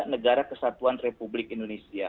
negara kesatuan republik indonesia